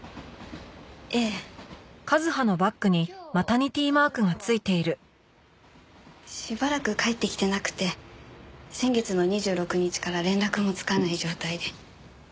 ええ。今日悟さんは？しばらく帰ってきてなくて先月の２６日から連絡もつかない状態で。